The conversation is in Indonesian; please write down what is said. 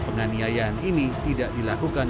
penganjayaan ini tidak dilakukan